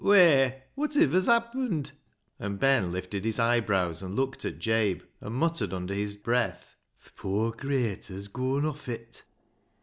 Whey, wotiver's happened ?" and Ben lifted his eyebrows and looked at Jabe, and muttered under his breath, " Th' poor crayter's gooan off it."